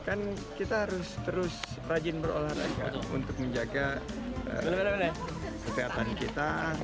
kan kita harus terus rajin berolahraga untuk menjaga kesehatan kita